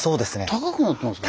高くなってますね。